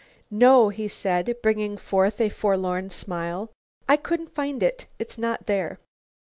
"No," he said, bringing forth a forlorn smile, "I couldn't find it. It's not there."